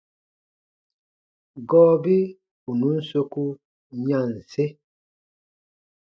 Gɔɔbi ù nùn soku yanse.